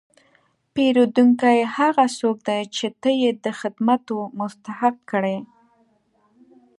پیرودونکی هغه څوک دی چې ته یې د خدمتو مستحق کړې.